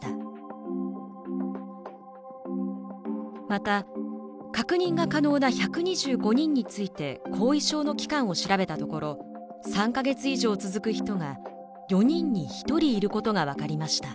また確認が可能な１２５人について後遺症の期間を調べたところ３か月以上続く人が４人に１人いることが分かりました。